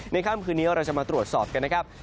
ค่ำคืนนี้เราจะมาตรวจสอบกันนะครับ